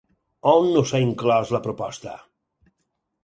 On no s'ha inclòs la proposta?